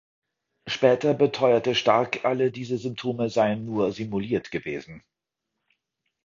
Später beteuerte Stark, alle diese Symptome seien nur simuliert gewesen.